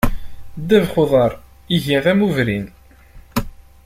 Ddabex n uḍar iga d amubrin.